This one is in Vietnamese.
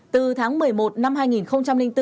từ tháng một mươi một năm hai nghìn bốn